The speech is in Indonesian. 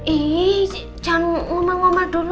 eh jangan ngomel ngomel dulu